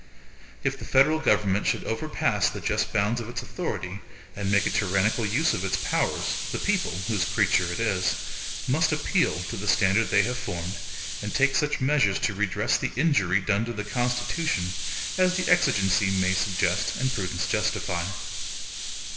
If the federal government should overpass the just bounds of its authority and make a tyrannical use of its powers, the people, whose creature it is, must appeal to the standard they have formed, and take such measures to redress the injury done to the Constitution as the exigency may suggest and prudence justify.